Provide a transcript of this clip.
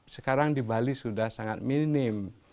sekarang di bali sudah sangat minim